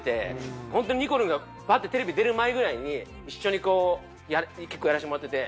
本当ににこるんがバッてテレビ出る前ぐらいに一緒にこう結構やらせてもらってて。